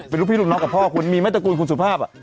เป็นลูกพี่ลูกน้องกับพ่อคุณมีไหมตระกูลคุณสุภาพ